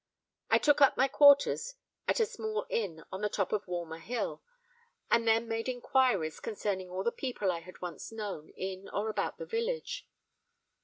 I took up my quarters at a small inn on the top of Walmer hill, and then made inquiries concerning all the people I had once known in or about the village.